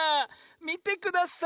みてください！